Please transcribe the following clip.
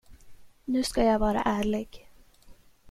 Nu ska jag vara ärlig.